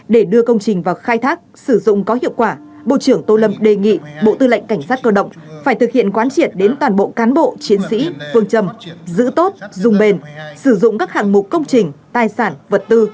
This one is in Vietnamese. để đưa công trình vào khai thác sử dụng có hiệu quả bộ trưởng tô lâm đề nghị bộ tư lệnh cảnh sát cơ động phải thực hiện quán triệt đến toàn bộ cán bộ chiến sĩ phương châm giữ tốt dùng bền sử dụng các hạng mục công trình tài sản vật tư